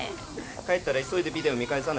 帰ったら急いでビデオ見返さないと。